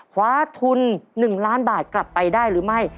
คว้าทุน๑ล้านบาทกลับไปได้หรือไม่